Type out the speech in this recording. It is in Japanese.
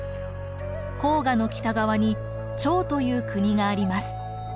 黄河の北側に趙という国があります。